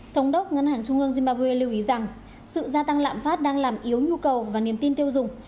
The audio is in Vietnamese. thống đốc ngân hàng trung ương zimbabwe lưu ý rằng sự gia tăng lạm phát đang làm yếu nhu cầu và niềm tin tiêu dùng